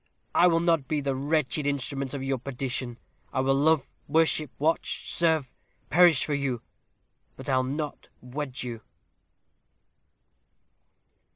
I will not be the wretched instrument of your perdition. I will love, worship, watch, serve, perish for you but I'll not wed you."